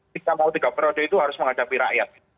kita mau tiga periode itu harus menghadapi rakyat